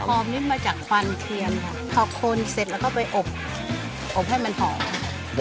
มันมีกลิ่นหอมนี่มาจากความเคียงอ่ะพอคนเสร็จแล้วก็ไปอบอบให้มันหอม